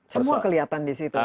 semua kelihatan di situ